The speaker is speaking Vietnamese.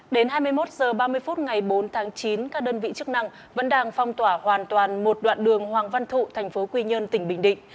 đến hai mươi một h ba mươi phút ngày bốn tháng chín các đơn vị chức năng vẫn đang phong tỏa hoàn toàn một đoạn đường hoàng văn thụ thành phố quy nhơn tỉnh bình định